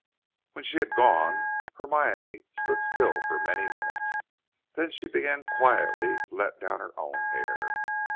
When she was gone, Hermione stood still for many minutes; then she began quietly to let down her own hair.